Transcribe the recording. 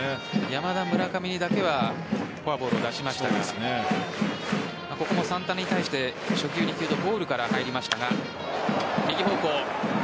山田、村上だけはフォアボールを出していましたがここもサンタナに対して初球２球とボールから入りましたが右方向。